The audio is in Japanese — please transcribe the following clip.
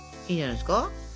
いいんじゃないですか？